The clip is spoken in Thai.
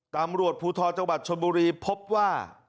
ตอบรวดพลูทอจังหวัดชมบุรีพบว่า